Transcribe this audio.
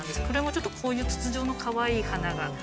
これもちょっとこういう筒状のかわいい花が。